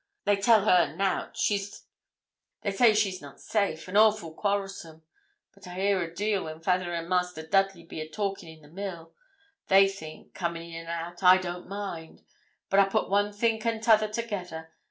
They tell her nout, she's so gi'n to drink; they say she's not safe, an' awful quarrelsome. I hear a deal when fayther and Master Dudley be a talkin' in the mill. They think, comin' in an' out, I don't mind; but I put one think an' t'other together.